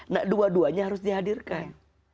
nah dua duanya harus dihadirkan